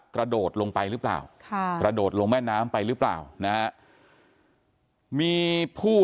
กระโดดลงไปหรือเปล่ากระโดดลงแม่น้ำไปหรือเปล่านะฮะมีผู้